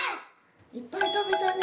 いっぱいたべたね